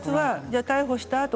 逮捕したあと